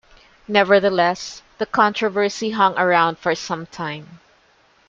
Nevertheless, the controversy hung around for some time.